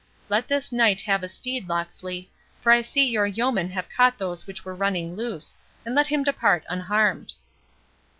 —Let this knight have a steed, Locksley, for I see your yeomen have caught those which were running loose, and let him depart unharmed."